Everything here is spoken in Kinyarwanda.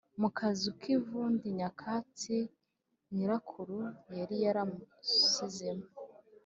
mu kazu k’ivundi nyakatsi nyirakuru yari yaramusizemo.